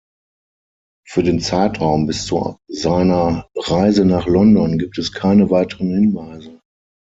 Für den Zeitraum bis zu seiner Reise nach London gibt es keine weiteren Hinweise.